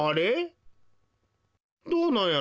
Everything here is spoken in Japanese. どうなんやろ？